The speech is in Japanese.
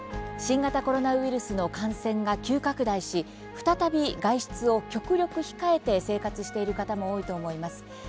新型コロナウイルスの感染が急拡大し再び外出を極力控えて生活している方も多いと思います。